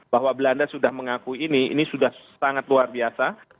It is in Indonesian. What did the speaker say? bahwa belanda sudah mengakui ini ini sudah sangat luar biasa